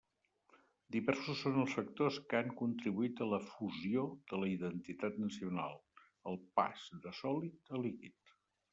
Diversos són els factors que han contribuït a la «fusió» de la identitat nacional, al pas de sòlid a líquid.